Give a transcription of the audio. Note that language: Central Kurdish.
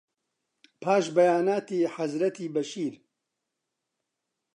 پاش بەیاناتی حەزرەتی بەشیر